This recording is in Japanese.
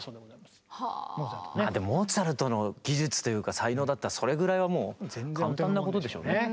でもモーツァルトの技術というか才能だったらそれぐらいはもう簡単なことでしょうね。